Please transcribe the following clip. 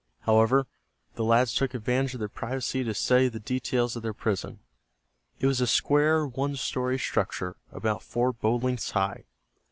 However, the lads took advantage of their privacy to study the details of their prison. It was a square, one story structure about four bow lengths high.